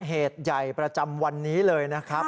เหตุใหญ่ประจำวันนี้เลยนะครับ